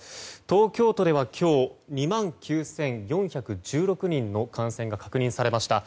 東京都では今日２万９４１６人の感染が確認されました。